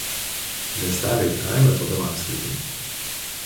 Miesteliai ir kaimai pagal apskritį.